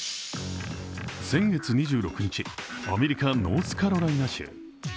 先月２６日、アメリカ・ノースカロライナ州。